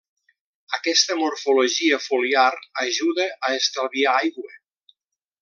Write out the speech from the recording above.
Aquesta morfologia foliar ajuda a estalviar aigua.